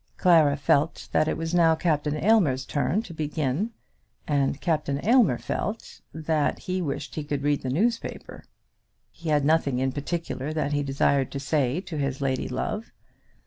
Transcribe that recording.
Clara felt that it was now Captain Aylmer's turn to begin, and Captain Aylmer felt that he wished he could read the newspaper. He had nothing in particular that he desired to say to his lady love.